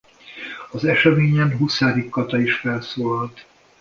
Az eseményen Huszárik Kata is felszólalt.